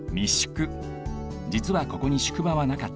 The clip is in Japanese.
じつはここに宿場はなかった。